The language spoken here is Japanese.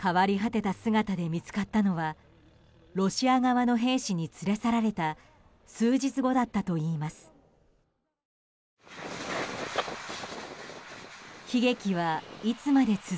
変わり果てた姿で見つかったのはロシア側の兵士に連れ去られた数日後だったといいます。